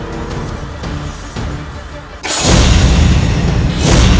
bahkan kau datang ya ku coba melihatnya